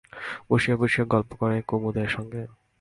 বসিয়া বসিয়া গল্প করে কুমুদের সঙ্গে।